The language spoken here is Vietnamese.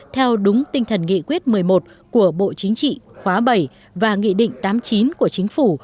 theo đúng tinh thần nghị quyết một mươi một của bộ chính trị khóa bảy và nghị định tám mươi chín của chính phủ